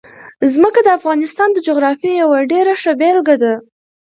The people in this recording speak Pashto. ځمکه د افغانستان د جغرافیې یوه ډېره ښه بېلګه ده.